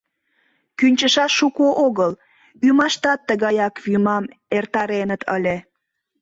Кӱнчышаш шуко огыл, ӱмаштат тыгаяк вӱмам эртареныт ыле.